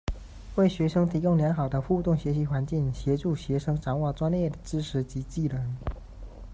为学生提供良好的互动学习环境，协助学生掌握专业知识及技能。